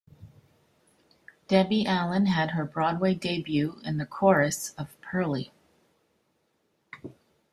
Debbie Allen had her Broadway debut in the chorus of "Purlie".